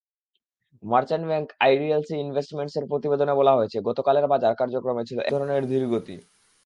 Merchant bank IDLC ইনভেস্টমেন্টসের প্রতিবেদনে বলা হয়েছে, গতকালের বাজার কার্যক্রমে ছিল একধরনের ধীরগতি।